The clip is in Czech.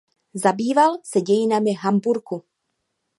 Zabýval se dějinami Hamburku.